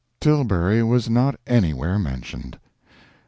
Tilbury was not anywhere mentioned.